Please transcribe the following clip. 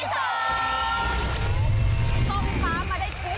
ส่งฟ้ามาได้ทุกวันเลยค่ะ